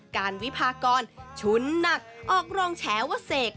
การวิพากรฉุนหนักออกรองแฉว่าเสก